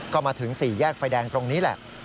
ก็มาถึง๔แยกไฟแดงตรงนี้แหละ